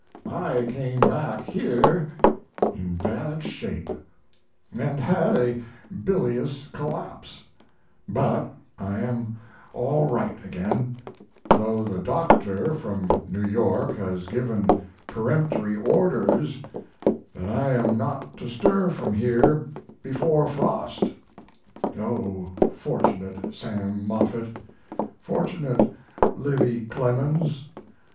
I came back here in bad shape, & had a bilious collapse, but I am all right again, though the doctor from New York has given peremptory orders that I am not to stir from here before frost. O fortunate Sam Moffett! fortunate Livy Clemens!